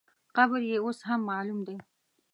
قبر یې اوس هم معلوم دی.